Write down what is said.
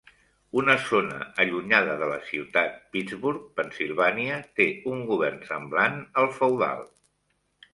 Una zona allunyada de la ciutat Pittsburgh, Pennsilvània, té un govern semblant al feudal.